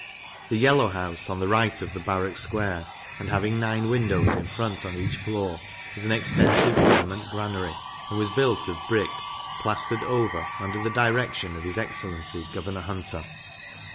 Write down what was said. The yellow house, on the right of the Barrack square, and having nine windows in front on each floor, is an extensive Government Granary, and was built of brick, plaistered over, under the direction of his excellency Governor Hunter.